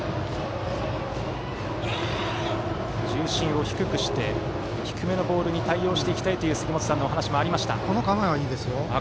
重心を低くして低めのボールに対応していきたいという杉本さんのお話もありました。